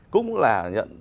cũng là nhận